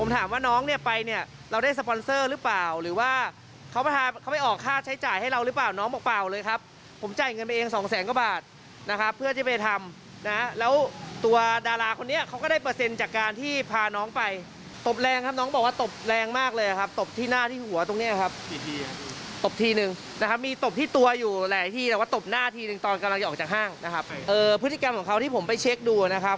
ที่เราตบหน้าทีตอนกำลังจะออกจากห้างนะครับภฤติกรรมของเขาที่ผมไปเช็คดูนะครับ